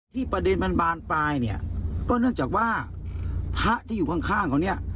ประเด็นมันบานปลายเนี่ยก็เนื่องจากว่าพระที่อยู่ข้างเขาเนี่ย